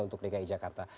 untuk dki jakarta